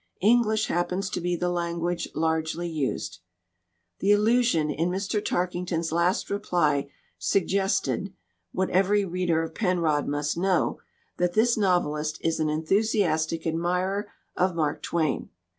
English happens to be the language largely used." The allusion in Mr. Tarkington's last reply suggested what every reader of Penrod must know that this novelist is an enthusiastic ad mirer of Mark Twain.